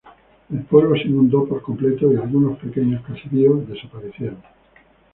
El pueblo se inundó por completo y algunos pequeños caserío desaparecieron.